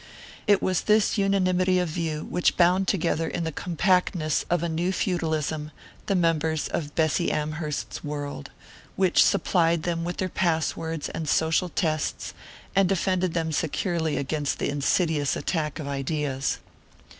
It was this unanimity of view which bound together in the compactness of a new feudalism the members of Bessy Amherst's world; which supplied them with their pass words and social tests, and defended them securely against the insidious attack of ideas.